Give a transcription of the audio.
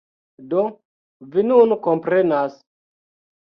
Do, vi nun komprenas.